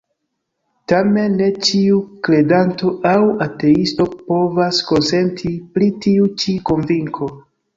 Tamen ne ĉiu kredanto aŭ ateisto povas konsenti pri tiu ĉi konvinko.